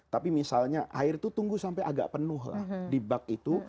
tapi misalnya air itu tunggu sampai agak penuh lah di bak itu